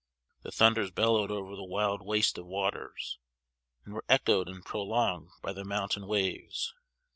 The thunders bellowed over the wild waste of waters, and were echoed and prolonged by the mountain waves.